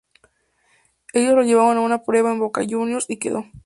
Ellos lo llevaron a una prueba en Boca Juniors y quedó.